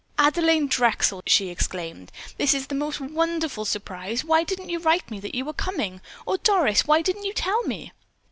"Adelaine Drexel," she exclaimed, "this is the most wonderful surprise. Why didn't you write me that you were coming? Or, Doris, why didn't you tell me?"